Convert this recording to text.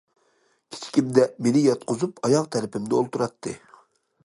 كىچىكىمدە مېنى ياتقۇزۇپ، ئاياغ تەرىپىمدە ئولتۇراتتى.